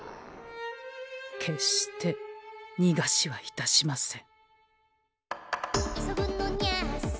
決してにがしはいたしません。